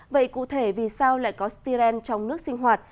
vậy cụ thể vì sao lại có styrene trong nước sinh hoạt